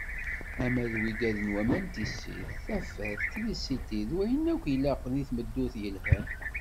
Ama d wigad n waman n tissit, tafat, trisiti, d wayen akk ilaqen i tmeddurt yelhan.